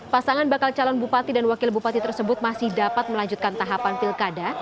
pasangan bakal calon bupati dan wakil bupati tersebut masih dapat melanjutkan tahapan pilkada